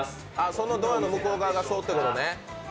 そのドアの向こう側がそうってことね。